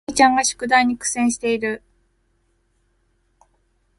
あおいちゃんが宿題に苦戦している